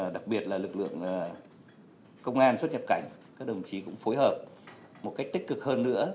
đặc biệt là lực lượng công an xuất nhập cảnh các đồng chí cũng phối hợp một cách tích cực hơn nữa